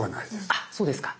あそうですか。